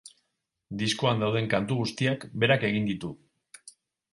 Diskoan dauden kantu guztiak berak egin ditu.